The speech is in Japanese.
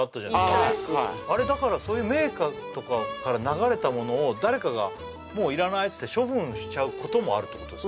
はいはいイースターエッグあれだからそういう名家とかから流れたものを誰かがもういらないっつって処分しちゃうこともあるってことですか？